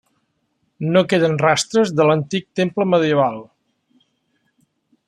No queden rastres de l'antic temple medieval.